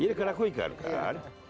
iya karena quick out kan